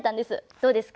どうですか？